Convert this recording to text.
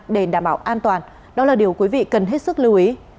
để đảm bảo an toàn đó là điều quý vị cần hết sức lưu ý